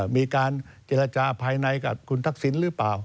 มีการเจรจาภายในกับคุณทักษิณหรือเปล่า